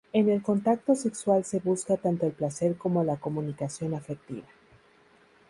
En el contacto sexual se busca tanto el placer como la comunicación afectiva.